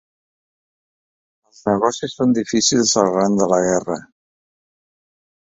Els negocis són difícils arran de la guerra.